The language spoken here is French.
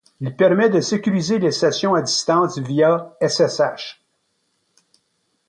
Il permet de sécuriser les sessions à distance via ssh.